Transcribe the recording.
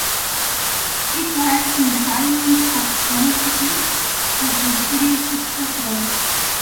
It lies on the island of Nosy Be, of which it is the capital.